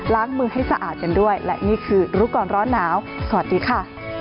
ล้างมือให้สะอาดกันด้วยและนี่คือรู้ก่อนร้อนหนาวสวัสดีค่ะ